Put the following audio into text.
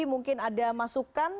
mungkin ada masukan